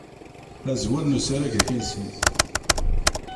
Azwel n usarag-agi-nsen.